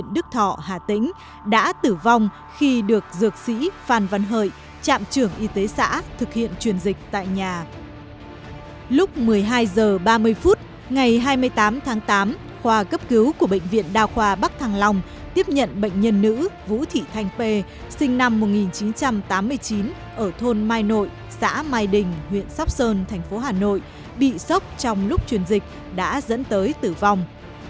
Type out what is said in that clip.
ba mươi phút ngày hai mươi tám tháng tám khoa cấp cứu của bệnh viện đa khoa bắc thăng long tiếp nhận bệnh nhân nữ vũ thị thanh pê sinh năm một nghìn chín trăm tám mươi chín ở thôn mai nội xã mai đình huyện sóc sơn thành phố hà nội bị sốc trong lúc truyền dịch đã dẫn tới tử vong